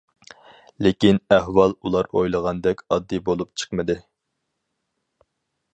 لېكىن ئەھۋال ئۇلار ئويلىغاندەك ئاددىي بولۇپ چىقمىدى.